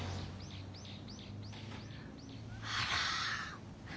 あら。